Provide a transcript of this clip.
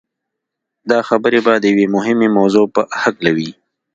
دا خبرې به د يوې مهمې موضوع په هکله وي.